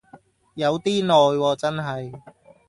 有啲耐喎真係